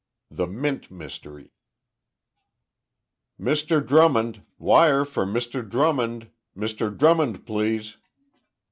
II THE MINT MYSTERY "Mr Drummond! Wire for Mr. Drummond! Mr. Drummond, please!"